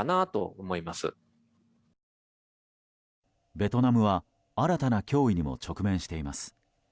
ベトナムは新たな脅威にも直面しています。